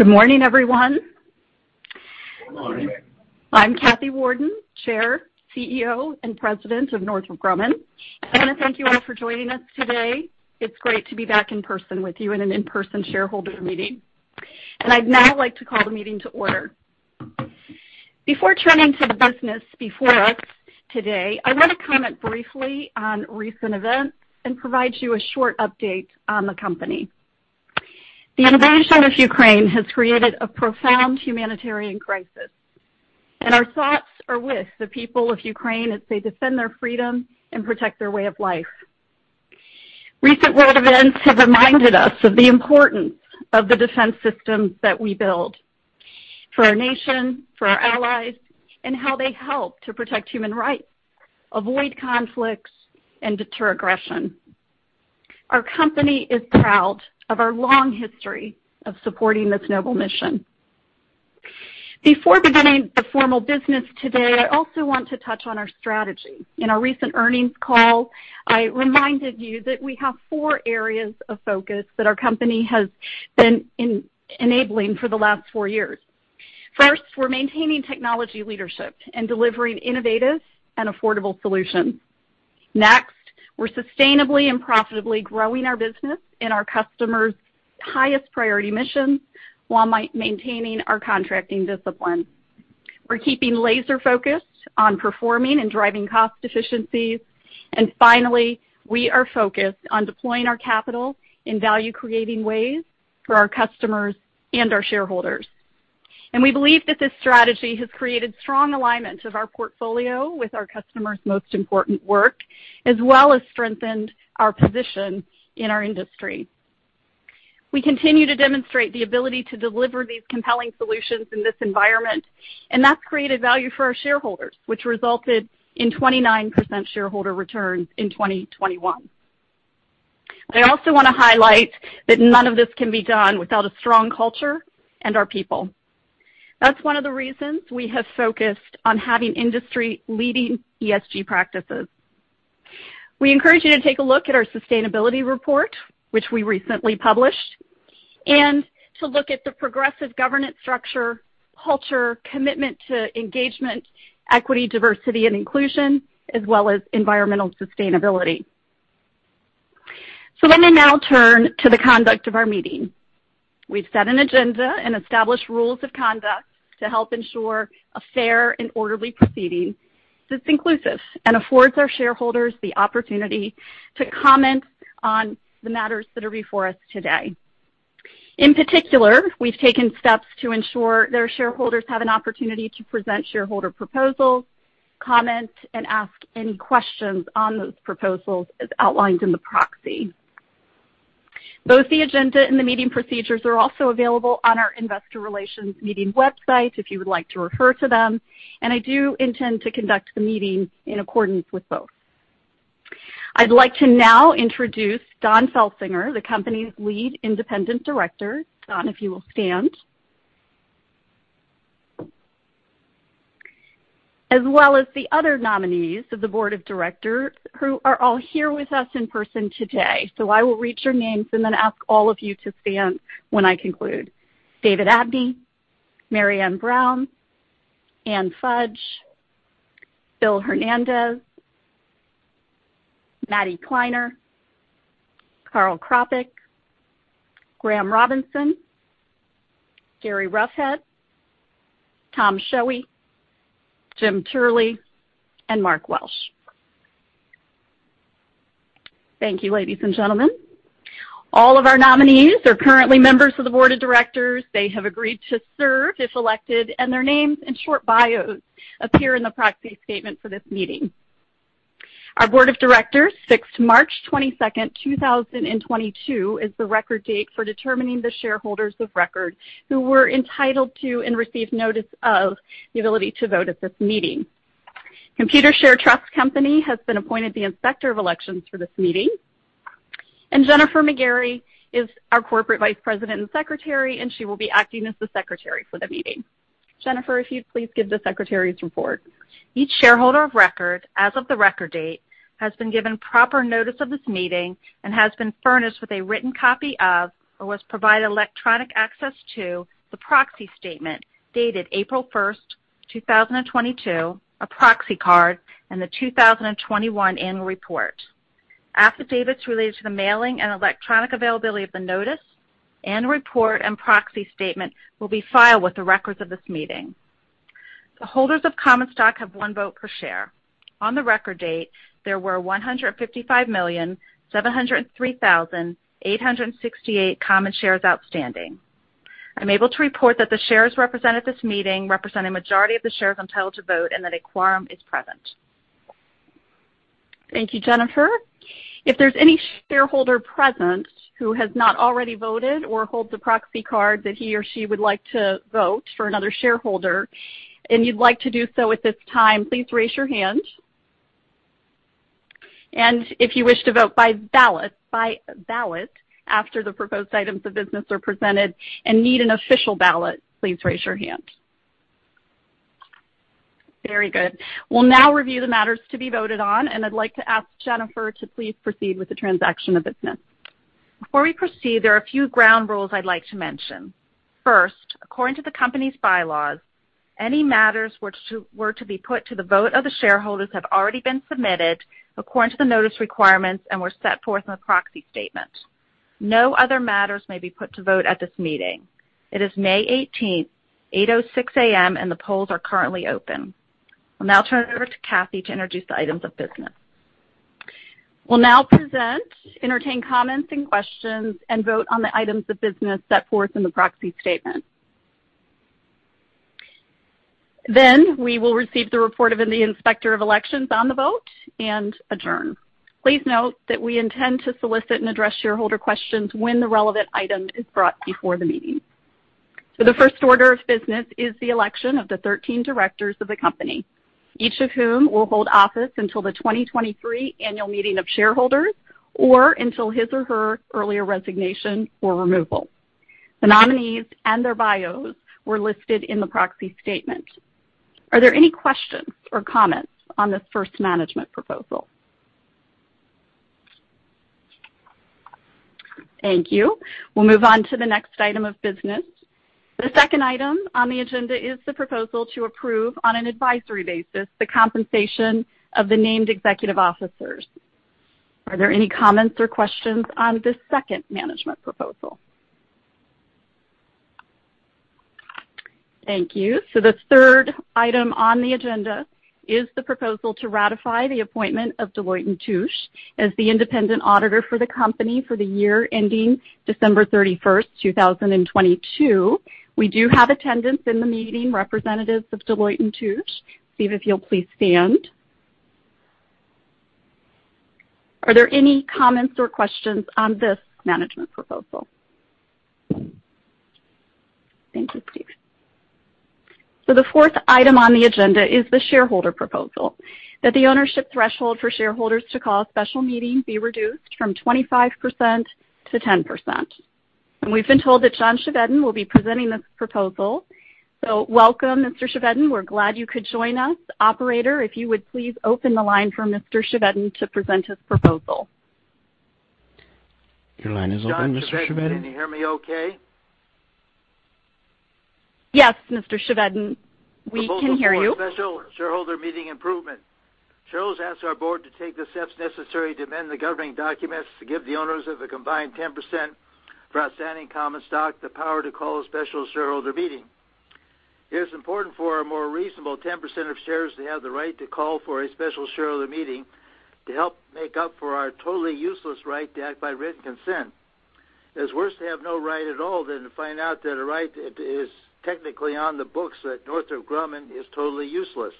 Good morning, everyone. Good morning. I'm Kathy Warden, Chair, CEO and President of Northrop Grumman. I wanna thank you all for joining us today. It's great to be back in person with you in an in-person shareholder meeting. I'd now like to call the meeting to order. Before turning to the business before us today, I wanna comment briefly on recent events and provide you a short update on the company. The invasion of Ukraine has created a profound humanitarian crisis, and our thoughts are with the people of Ukraine as they defend their freedom and protect their way of life. Recent world events have reminded us of the importance of the defense systems that we build for our nation, for our allies, and how they help to protect human rights, avoid conflicts, and deter aggression. Our company is proud of our long history of supporting this noble mission. Before beginning the formal business today, I also want to touch on our strategy. In our recent earnings call, I reminded you that we have four areas of focus that our company has been enabling for the last four years. First, we're maintaining technology leadership and delivering innovative and affordable solutions. Next, we're sustainably and profitably growing our business in our customers' highest priority missions while maintaining our contracting discipline. We're keeping laser-focused on performing and driving cost efficiencies. Finally, we are focused on deploying our capital in value-creating ways for our customers and our shareholders. We believe that this strategy has created strong alignment of our portfolio with our customers' most important work, as well as strengthened our position in our industry. We continue to demonstrate the ability to deliver these compelling solutions in this environment, and that's created value for our shareholders, which resulted in 29% shareholder return in 2021. I also wanna highlight that none of this can be done without a strong culture and our people. That's one of the reasons we have focused on having industry-leading ESG practices. We encourage you to take a look at our sustainability report, which we recently published, and to look at the progressive governance structure, culture, commitment to engagement, equity, diversity, and inclusion, as well as environmental sustainability. Let me now turn to the conduct of our meeting. We've set an agenda and established rules of conduct to help ensure a fair and orderly proceeding that's inclusive and affords our shareholders the opportunity to comment on the matters that are before us today. In particular, we've taken steps to ensure that our shareholders have an opportunity to present shareholder proposals, comment, and ask any questions on those proposals as outlined in the proxy. Both the agenda and the meeting procedures are also available on our investor relations meeting website if you would like to refer to them, and I do intend to conduct the meeting in accordance with both. I'd like to now introduce Don Felsinger, the company's Lead Independent Director. Don, if you will stand. As well as the other nominees of the Board of Directors who are all here with us in person today. I will read your names and then ask all of you to stand when I conclude. David Abney, Marianne Brown, Anne Fudge, Bill Hernandez, Maddie Kleiner, Karl Krapek, Graham Robinson, Gary Roughead, Tom Shuey, Jim Turley, and Mark Welsh. Thank you, ladies and gentlemen. All of our nominees are currently members of the Board of Directors. They have agreed to serve if elected, and their names and short bios appear in the proxy statement for this meeting. Our Board of Directors fixed March 22, 2022 as the record date for determining the shareholders of record who were entitled to and received notice of the ability to vote at this meeting. Computershare Trust Company has been appointed the Inspector of Elections for this meeting. Jennifer C. McGarey is our Corporate Vice President and Secretary, and she will be acting as the Secretary for the meeting. Jennifer, if you'd please give the Secretary's report. Each shareholder of record as of the record date has been given proper notice of this meeting and has been furnished with a written copy of or was provided electronic access to the proxy statement dated April 1, 2022, a proxy card, and the 2021 annual report. Affidavits related to the mailing and electronic availability of the notice and report and proxy statement will be filed with the records of this meeting. The holders of common stock have one vote per share. On the record date, there were 155,703,868 common shares outstanding. I'm able to report that the shares represented at this meeting represent a majority of the shares entitled to vote and that a quorum is present. Thank you, Jennifer. If there's any shareholder present who has not already voted or holds a proxy card that he or she would like to vote for another shareholder, and you'd like to do so at this time, please raise your hand. If you wish to vote by ballot after the proposed items of business are presented and need an official ballot, please raise your hand. Very good. We'll now review the matters to be voted on, and I'd like to ask Jennifer to please proceed with the transaction of business. Before we proceed, there are a few ground rules I'd like to mention. First, according to the company's bylaws, any matters which were to be put to the vote of the shareholders have already been submitted according to the notice requirements and were set forth in the proxy statement. No other matters may be put to vote at this meeting. It is May eighteenth, 8:06 A.M., and the polls are currently open. I'll now turn it over to Kathy to introduce the items of business. We'll now present, entertain comments and questions, and vote on the items of business set forth in the proxy statement. Then we will receive the report of the Inspector of Elections on the vote and adjourn. Please note that we intend to solicit and address shareholder questions when the relevant item is brought before the meeting. The first order of business is the election of the 13 directors of the company, each of whom will hold office until the 2023 annual meeting of shareholders, or until his or her earlier resignation or removal. The nominees and their bios were listed in the proxy statement. Are there any questions or comments on this first management proposal? Thank you. We'll move on to the next item of business. The second item on the agenda is the proposal to approve, on an advisory basis, the compensation of the named executive officers. Are there any comments or questions on this second management proposal? Thank you. The third item on the agenda is the proposal to ratify the appointment of Deloitte & Touche as the independent auditor for the company for the year ending December thirty-first, two thousand and twenty-two. We do have in attendance in the meeting, representatives of Deloitte & Touche. Steve, if you'll please stand. Are there any comments or questions on this management proposal? Thank you, Steve. The fourth item on the agenda is the shareholder proposal that the ownership threshold for shareholders to call a special meeting be reduced from 25% to 10%. We've been told that John Chevedden will be presenting this proposal. Welcome, Mr. Chevedden. We're glad you could join us. Operator, if you would please open the line for Mr. Chevedden to present his proposal. Your line is open, Mr. Chevedden. John Chevedden. Can you hear me okay? Yes, Mr. Chevedden, we can hear you. Proposal four, special shareholder meeting improvement. Shareholders ask our board to take the steps necessary to amend the governing documents to give the owners of the combined 10% outstanding common stock the power to call a special shareholder meeting. It is important for a more reasonable 10% of shares to have the right to call for a special shareholder meeting to help make up for our totally useless right to act by written consent. It's worse to have no right at all than to find out that a right that is technically on the books at Northrop Grumman is totally useless.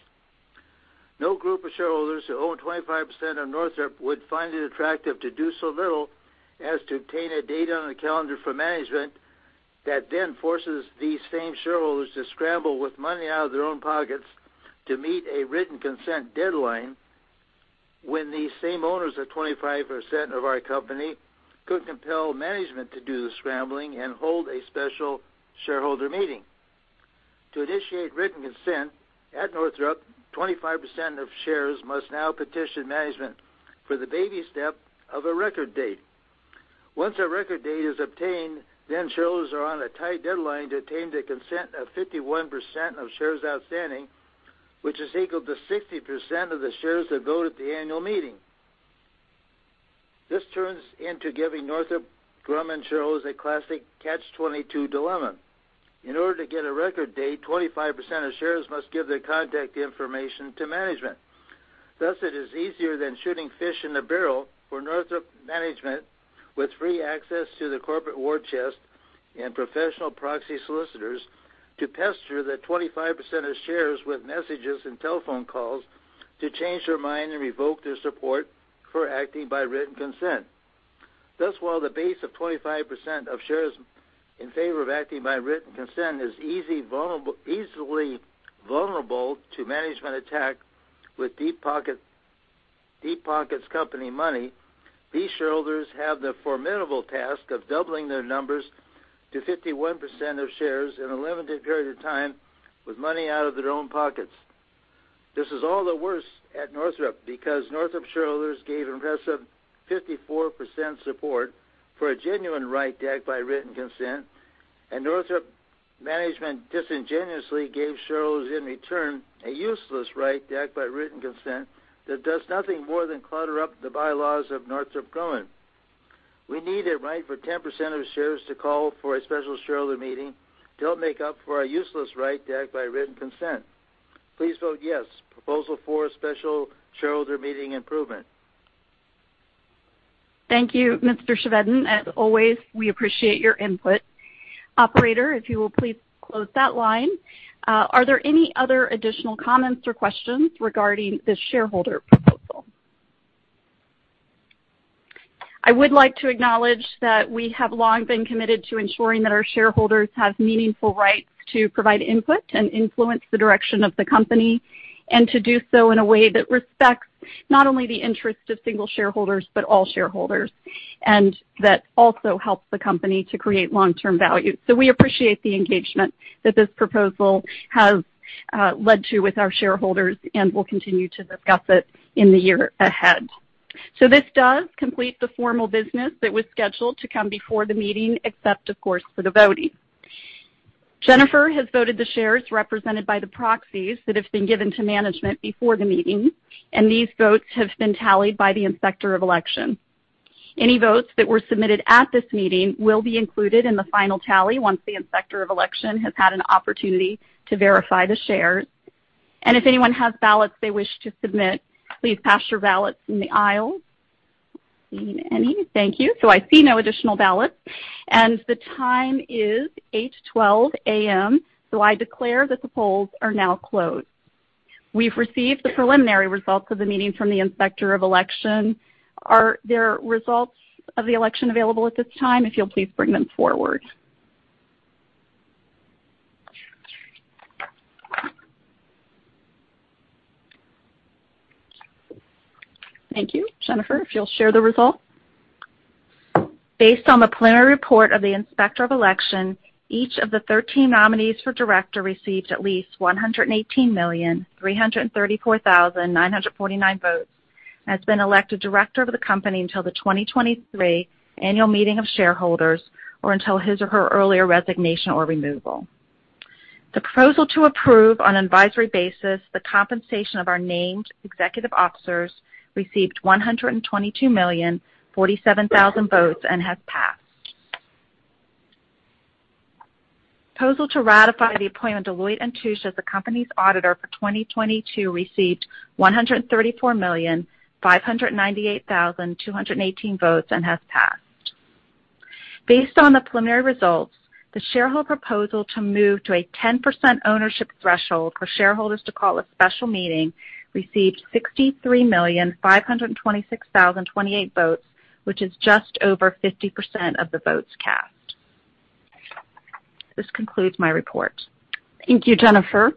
No group of shareholders who own 25% of Northrop Grumman would find it attractive to do so little as to obtain a date on the calendar for management that then forces these same shareholders to scramble with money out of their own pockets to meet a written consent deadline when these same owners of 25% of our company could compel management to do the scrambling and hold a special shareholder meeting. To initiate written consent at Northrop Grumman, 25% of shares must now petition management for the baby step of a record date. Once a record date is obtained, then shareholders are on a tight deadline to obtain the consent of 51% of shares outstanding, which is equal to 60% of the shares that vote at the annual meeting. This turns into giving Northrop Grumman shareholders a classic catch-22 dilemma. In order to get a record date, 25% of shares must give their contact information to management. Thus, it is easier than shooting fish in a barrel for Northrop management, with free access to the corporate war chest and professional proxy solicitors, to pester the 25% of shares with messages and telephone calls to change their mind and revoke their support for acting by written consent. Thus, while the base of 25% of shares in favor of acting by written consent is easily vulnerable to management attack with deep pockets company money, these shareholders have the formidable task of doubling their numbers to 51% of shares in a limited period of time with money out of their own pockets. This is all the worse at Northrop because Northrop shareholders gave an impressive 54% support for a genuine right to act by written consent, and Northrop management disingenuously gave shareholders in return a useless right to act by written consent that does nothing more than clutter up the bylaws of Northrop Grumman. We need a right for 10% of the shares to call for a special shareholder meeting to help make up for our useless right to act by written consent. Please vote yes. Proposal four, special shareholder meeting improvement. Thank you, Mr. Chevedden. As always, we appreciate your input. Operator, if you will please close that line. Are there any other additional comments or questions regarding this shareholder proposal? I would like to acknowledge that we have long been committed to ensuring that our shareholders have meaningful rights to provide input and influence the direction of the company and to do so in a way that respects not only the interest of single shareholders, but all shareholders. That also helps the company to create long-term value. We appreciate the engagement that this proposal has led to with our shareholders, and we'll continue to discuss it in the year ahead. This does complete the formal business that was scheduled to come before the meeting, except of course for the voting. Jennifer has voted the shares represented by the proxies that have been given to management before the meeting, and these votes have been tallied by the Inspector of Elections. Any votes that were submitted at this meeting will be included in the final tally once the Inspector of Elections has had an opportunity to verify the shares. If anyone has ballots they wish to submit, please pass your ballots in the aisle. I don't see any. Thank you. I see no additional ballots. The time is 8:12 A.M., so I declare that the polls are now closed. We've received the preliminary results of the meeting from the Inspector of Elections. Are there results of the election available at this time? If you'll please bring them forward. Thank you. Jennifer, if you'll share the results. Based on the preliminary report of the Inspector of Elections, each of the thirteen nominees for director received at least 118,334,949 votes, has been elected director of the company until the 2023 annual meeting of shareholders, or until his or her earlier resignation or removal. The proposal to approve on advisory basis the compensation of our named executive officers received 122,047,000 votes and has passed. Proposal to ratify the appointment of Deloitte & Touche as the company's auditor for 2022 received 134,598,218 votes and has passed. Based on the preliminary results, the shareholder proposal to move to a 10% ownership threshold for shareholders to call a special meeting received 63,526,028 votes, which is just over 50% of the votes cast. This concludes my report. Thank you, Jennifer.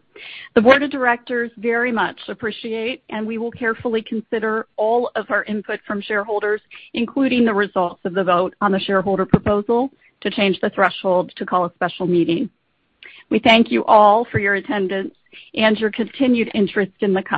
The board of directors very much appreciate, and we will carefully consider all of our input from shareholders, including the results of the vote on the shareholder proposal to change the threshold to call a special meeting. We thank you all for your attendance and your continued interest in the company.